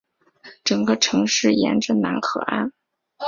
整个城市沿着楠河岸。